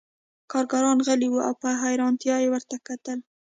کارګران غلي وو او په حیرانتیا یې ورته کتل